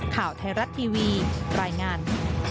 ข่าวไทยรัฐทีวีรายงาน